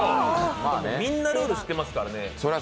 みんなルール知ってますからね。